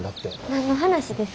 何の話ですか？